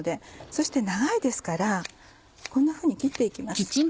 そして長いですからこんなふうに切って行きます。